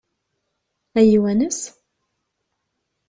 Ad iyi-iwanes?